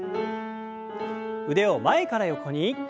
腕を前から横に。